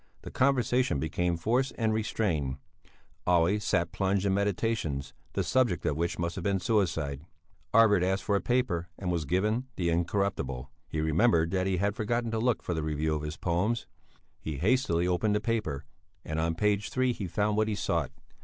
The conversation became forced and restrained. Olle sat plunged in meditations, the subject of which must have been suicide. Arvid asked for a paper and was given the Incorruptible. He remembered that he had forgotten to look for the review of his poems. He hastily opened the paper and on page three he found what he sought.